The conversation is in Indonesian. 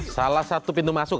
salah satu pintu masuk